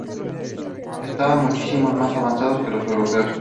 Estaban muchísimo más avanzados que los europeos.